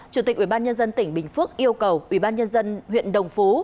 chủ tịch ubnd tỉnh bình phước yêu cầu ubnd huyện đồng phú